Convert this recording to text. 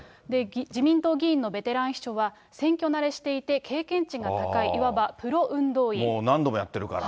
自民党議員のベテラン秘書は、選挙慣れしていて、経験値が高い、もう何度もやってるから。